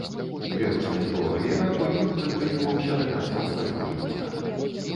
Віруснай тэорыі раку ён прытрымліваўся да канца свайго жыцця.